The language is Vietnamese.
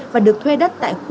và được thuê đất tại khuôn